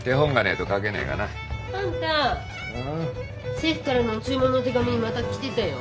政府からの注文の手紙また来てたよ。